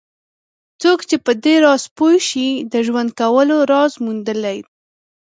څوک چې په دې راز پوه شي د ژوند کولو راز موندلی.